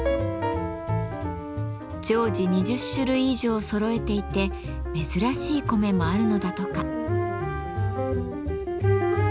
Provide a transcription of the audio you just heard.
常時２０種類以上そろえていて珍しい米もあるのだとか。